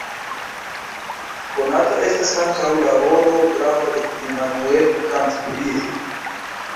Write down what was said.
Konata estas ankaŭ la rolo grava de Immanuel Kant prie.